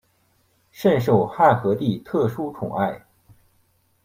甚受汉和帝特殊宠爱。